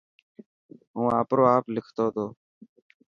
هون آپرو آپ لکتو ٿو.